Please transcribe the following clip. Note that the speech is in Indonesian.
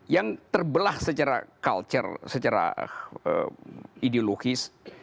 yang terbelah secara culture secara ideologis